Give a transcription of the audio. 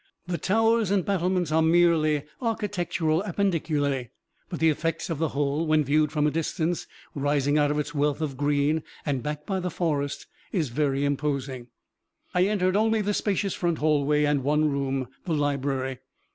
The towers and battlements are merely architectural appendiculæ, but the effect of the whole, when viewed from a distance, rising out of its wealth of green and backed by the forest, is very imposing. I entered only the spacious front hallway and one room the library.